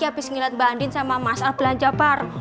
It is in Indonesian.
yang bandit sama masal belanja bar